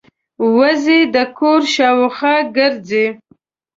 وزې د کور شاوخوا ګرځي